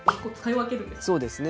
そうですね。